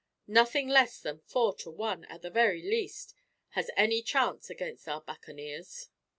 Nothing less than four to one, at the very least, has any chance against our buccaneers."